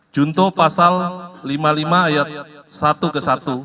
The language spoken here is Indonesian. junto pasal lima puluh lima ayat satu ke satu